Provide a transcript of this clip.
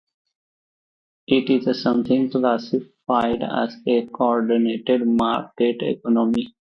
It is sometimes classified as a coordinated market economy.